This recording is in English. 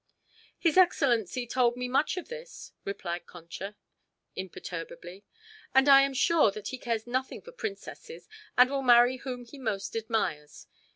"His excellency told me much of this," replied Concha imperturbably. "And I am sure that he cares nothing for princesses and will marry whom he most admires.